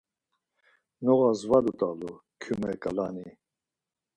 Noğas var dut̆alu kyume ǩalani